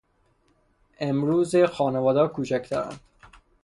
امروزه خانوادهها کوچکترند.